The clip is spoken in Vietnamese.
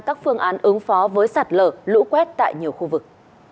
các phương án ứng phó với sạt lở lũ quét tại nhiều khu vực